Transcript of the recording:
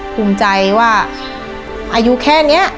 ภูมิใจว่าอายุแค่นี้